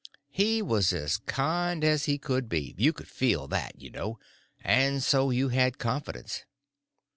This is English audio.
He was as kind as he could be—you could feel that, you know, and so you had confidence.